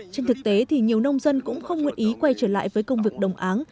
trên thực tế thì nhiều nông dân cũng không nguyện ý quay trở lại với công việc đồng áng